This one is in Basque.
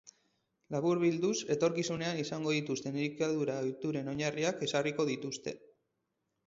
Laburbilduz, etorkizunean izango dituzten elikadura-ohituren oinarriak ezarriko dituzte.